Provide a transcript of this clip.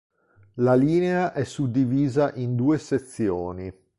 La linea è suddivisa in due sezioni.